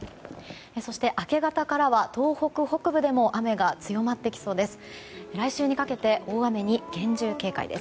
そして明け方からは東北北部でも雨が強まってきそうです。